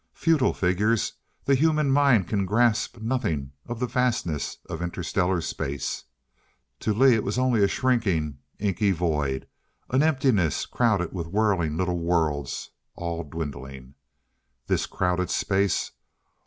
Futile figures! The human mind can grasp nothing of the vastness of inter stellar space. To Lee it was only a shrinking inky void an emptiness crowded with whirling little worlds all dwindling.... This crowded space!